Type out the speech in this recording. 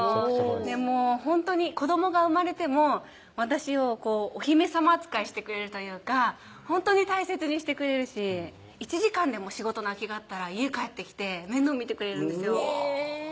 でもほんとに子どもが産まれても私をお姫さま扱いしてくれるというかほんとに大切にしてくれるし１時間でも仕事の空きがあったら家帰ってきて面倒見てくれるんですよ